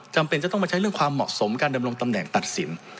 จำเป็นจะต้องมาใช้เรื่องความเหมาะสมการดำรงตำแหน่งตัดสิน